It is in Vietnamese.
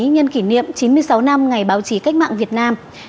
nhân kỷ niệm chín mươi sáu năm ngày báo chí cách mạng việt nam